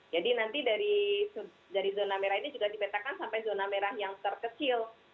jadi nanti dari zona merah ini juga dibetakan sampai zona merah yang terkecil